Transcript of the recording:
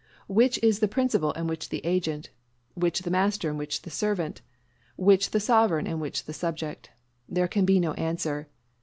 Which is principal and which agent? which the master and which the servant? which the sovereign and which the subject? There can be no answer.